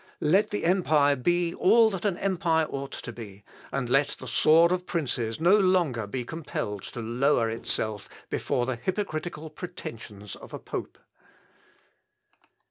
Let the empire be all that an empire ought to be; and let the sword of princes no longer be compelled to lower itself before the hypocritical pretensions of a pope."